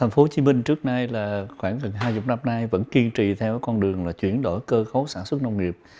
khiến khích khoảng gần hai mươi năm nay vẫn kiên trì theo con đường chuyển đổi cơ cấu sản xuất nông nghiệp